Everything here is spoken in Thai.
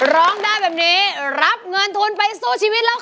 ร้องได้แบบนี้รับเงินทุนไปสู้ชีวิตแล้วค่ะ